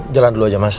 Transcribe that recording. jalan dulu aja mas